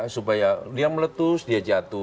supaya dia meletus dia jatuh